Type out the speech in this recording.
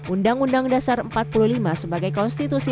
undang undang dasar empat puluh lima sebagai konstitusi